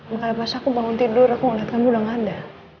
makanya pas aku bangun tidur aku ngeliat kamu udah gak ada